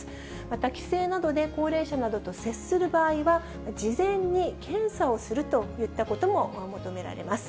また帰省などで高齢者などと接する場合は、事前に検査をするといったことも求められます。